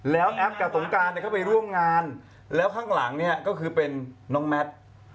แล้วแอปกับสงการเข้าไปร่วมงานแล้วข้างหลังเนี่ยก็คือเป็นน้องแมท